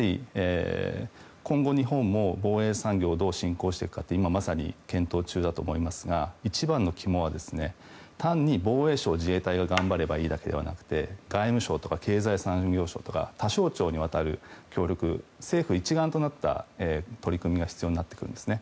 今後、日本も防衛産業をどう振興していくかって今まさに検討中だと思いますが一番の肝は単に防衛省、自衛隊が頑張ればいいわけではなくて外務省とか経済産業省とか他省庁にわたる協力政府一丸となった取り組みが必要になってくるんですね。